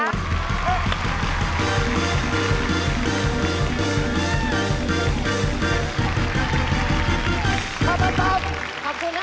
ขอบคุณทั้ง๓ท่านด้วยค่ะ